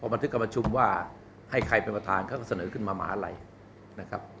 บันทึกการประชุมว่าให้ใครเป็นประธานเขาก็เสนอขึ้นมามหาลัยนะครับ